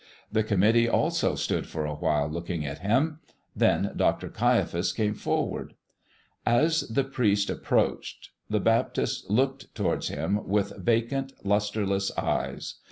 The committee also stood for a while looking at him; then Dr. Caiaphas came forward. As the priest approached, the Baptist looked towards him with vacant, lustreless eyes.